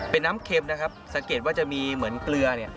เป็นน้ำเค็มนะครับสังเกตว่าจะมีเหมือนเกลือเนี่ย